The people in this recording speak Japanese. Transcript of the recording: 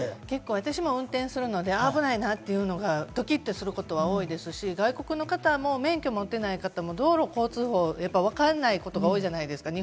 私も運転するので危ないなっていう、ドキっとすることも多いですし、外国の方も免許を持っていない方も道路交通法、わかんないことが多いじゃないですか。